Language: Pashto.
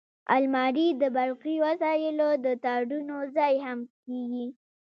الماري د برقي وسایلو د تارونو ځای هم کېږي